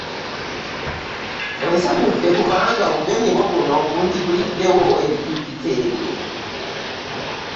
Onsanyudde kubanga obugenyi bwo buno bunziguliddewo ebijjukizo ebyo